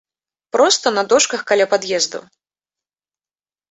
Проста на дошках каля пад'ездаў.